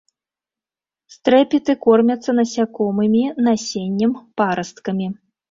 Стрэпеты кормяцца насякомымі, насеннем, парасткамі.